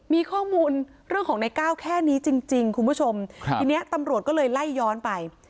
มีข้อมูลเรื่องของในก้าวแค่นี้จริงจริงคุณผู้ชมครับทีนี้ตำรวจก็เลยไล่ย้อนไป